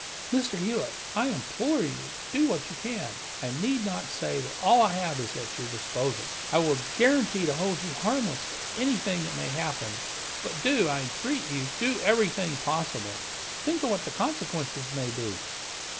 "Mr. Hewitt, I implore you, do what you can. I need not say that all I have is at your disposal. I will guarantee to hold you harmless for anything that may happen. But do, I entreat you, do everything possible. Think of what the consequences may be!"